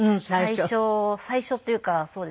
最初っていうかそうですね。